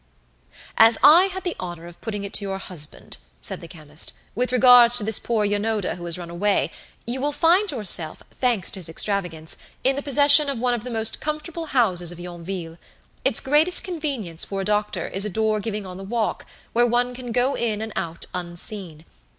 "As I had the honour of putting it to your husband," said the chemist, "with regard to this poor Yanoda who has run away, you will find yourself, thanks to his extravagance, in the possession of one of the most comfortable houses of Yonville. Its greatest convenience for a doctor is a door giving on the Walk, where one can go in and out unseen.